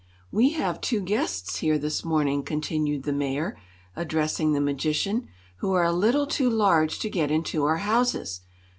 "We have two guests here, this morning," continued the Mayor, addressing the magician, "who are a little too large to get into our houses.